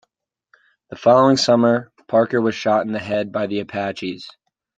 The following summer, Parker was shot in the head by the Apaches.